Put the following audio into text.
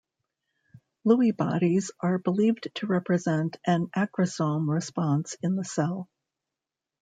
Lewy bodies are believed to represent an aggresome response in the cell.